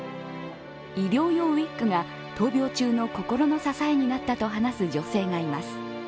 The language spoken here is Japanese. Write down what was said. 医療用ウイッグが闘病中の心の支えになったと話す女性がいます。